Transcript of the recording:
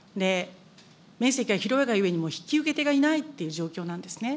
面積が広いがゆえに、もう引き受け手がいないという状況なんですね。